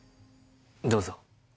どうぞ。